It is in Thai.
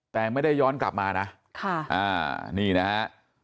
แต่ไม่ได้ย้อนกลับมานะนี่นะฮะ